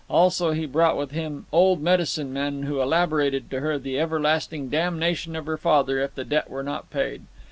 Also, he brought with him old medicine men, who elaborated to her the everlasting damnation of her father if the debt were not paid.